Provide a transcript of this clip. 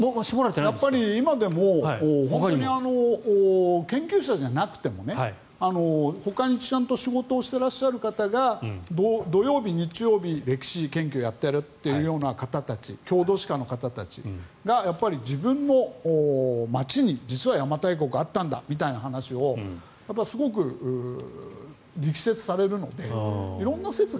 やっぱり今でも研究者じゃなくてもほかにちゃんと仕事をしてらっしゃる方が土曜日、日曜日に歴史研究をやっているような方たち郷土史家の方たちが自分の街に実は邪馬台国があったんだみたいな話をすごく力説されるので。